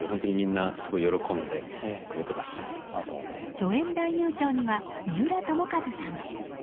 助演男優賞には三浦友和さん。